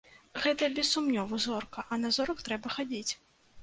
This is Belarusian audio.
Гэта, без сумневу, зорка, а на зорак трэба хадзіць.